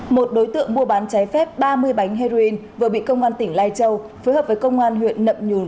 một đối tượng mua bán trái phép ba mươi bánh heroin vừa bị công an tỉnh lai châu phối hợp với công an huyện nậm nhùn